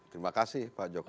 terima kasih pak jokowi